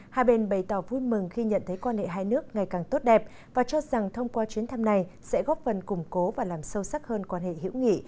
hai bên bày tỏ vui mừng khi nhận thấy quan hệ hai nước ngày càng tốt đẹp và cho rằng thông qua chuyến thăm này sẽ góp phần củng cố và làm sâu sắc hơn quan hệ hữu nghị